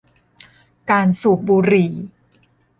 การสูบบุหรี่